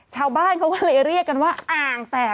ชาวบ้านเขาก็เลยเรียกกันว่าอ่างแตก